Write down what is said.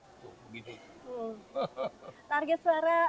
target suara atau kursi tersebut pak